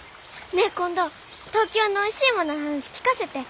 ねえ今度東京のおいしいものの話聞かせて。